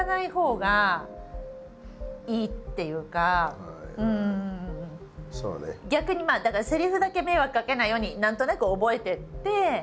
あとは逆に逆にまあだからセリフだけ迷惑かけないように何となく覚えていって。